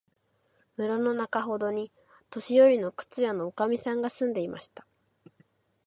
村のなかほどに、年よりの靴屋のおかみさんが住んでいました。